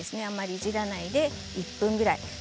あまりいじらないで１分ぐらい。